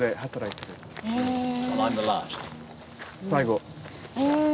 最後。